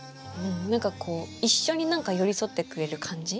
何かこう一緒に何か寄り添ってくれる感じ。